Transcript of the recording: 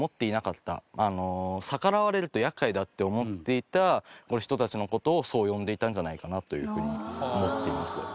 逆らわれると厄介だと思っていた人たちの事をそう呼んでいたんじゃないかなという風に思っています。